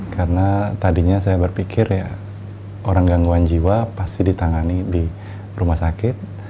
karena tadinya saya berpikir ya orang gangguan jiwa pasti ditangani di rumah sakit